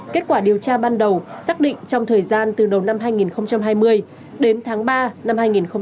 kết quả điều tra ban đầu xác định trong thời gian từ đầu năm hai nghìn hai mươi đến tháng ba năm hai nghìn hai mươi